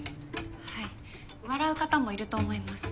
はい笑う方もいると思います。